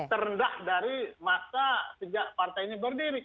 terendah dari masa sejak partainya berdiri